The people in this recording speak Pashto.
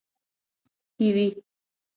🥝 کیوي